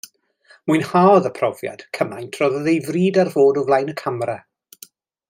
Mwynhaodd y profiad, cymaint, rhoddodd ei fryd ar fod o flaen y camera.